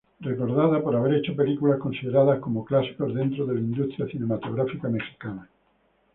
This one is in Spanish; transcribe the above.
Recordada por haber hecho películas consideradas como clásicos dentro de la industria cinematográfica mexicana.